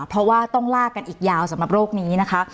เพราะว่าต้องลากกันอีกยาวสำหรับโรคนี้นะคะ